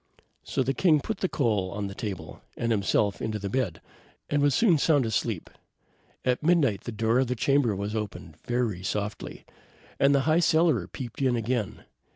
So the king put the coal on the table, and himself into the bed, and was soon sound asleep. At midnight the door of the chamber opened very softly, and the High Cellarer peeped in again.